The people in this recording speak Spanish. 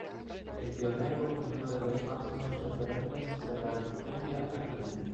Es pionero y uno de los máximos referentes de la Cumbia argentina.